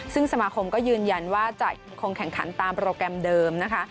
ซึ่งสมาคมก็ยืนยันว่าจะคงแข่งขันตามโปรแกรมเดิมนะคะ